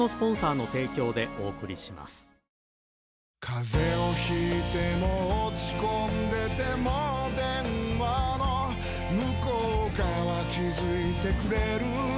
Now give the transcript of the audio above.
風邪を引いても落ち込んでても電話の向こう側気付いてくれるあなたの声